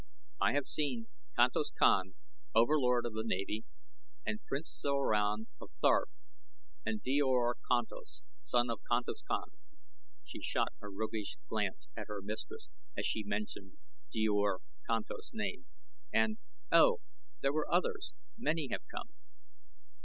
"I have seen Kantos Kan, Overlord of the Navy, and Prince Soran of Ptarth, and Djor Kantos, son of Kantos Kan," she shot a roguish glance at her mistress as she mentioned Djor Kantos' name, "and oh, there were others, many have come."